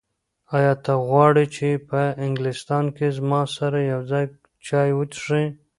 ایا ته غواړې چې په انګلستان کې زما سره یو ځای چای وڅښې؟